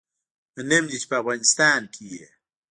منم دی چې په افغانستان کي يي